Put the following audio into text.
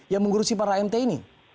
yang mengurusi para mt ini